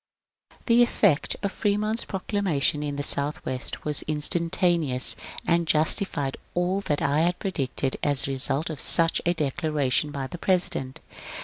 The effect of Fremont's proclamation in the Southwest was instantaneous, and justified all that I had predicted as the result of such a declaration by the President.